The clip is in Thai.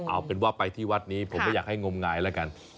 เอาเป็นว่าไปที่วัดนี้ผมไม่อยากให้งมงายแล้วกัน